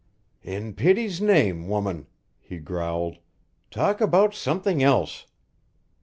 "In pity's name, woman," he growled, "talk about something else.